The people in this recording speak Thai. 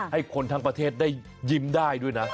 ให้คนทั้งประเทศได้ยิ้มได้ด้วยนะ